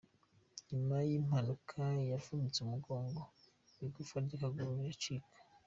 Nyuma y'impanuka yavunitse umugongo, igufwa ry'akaguru riracika.